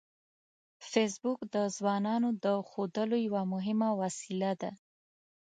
فېسبوک د ځوانانو د ښودلو یوه مهمه وسیله ده